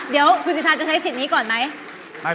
เดี๋ยวคุณสิทธาจะใช้สิทธิ์นี้ก่อนไหม